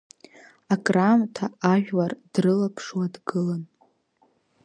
Акраамҭа ажәлар дрылаԥшуа дгылан.